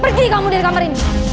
pergi kamu dari kamar ini